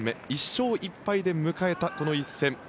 １勝１敗で迎えたこの一戦。